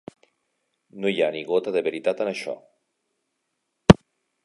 No hi ha ni gota de veritat en això.